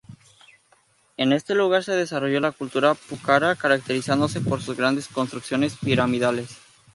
En este lugar se desarrolló la cultura Pucará, caracterizándose por sus grandes construcciones piramidales.